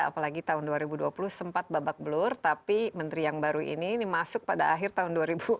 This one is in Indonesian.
apalagi tahun dua ribu dua puluh sempat babak belur tapi menteri yang baru ini masuk pada akhir tahun dua ribu dua puluh